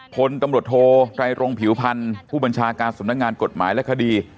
พลตำรวจโทไรรงผิวพันธ์ผู้บัญชาการสำนักงานกฎหมายและคดี